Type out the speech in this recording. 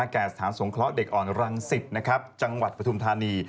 สถานสงเคราะห์เด็กอ่อนรังสิตจังหวัดปฐุมธานี